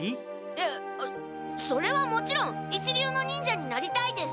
えっそれはもちろん一流の忍者になりたいです。